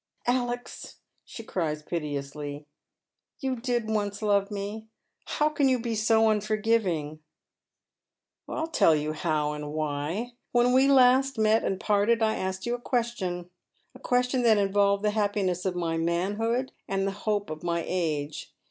*' Alex," she cries piteously, " you did once love me. How can you be so unforgiving ?"" I'll tell you how and why. When we last met and parted I asked you a question, a question that involved the happiness of my manhood and the hope of my age.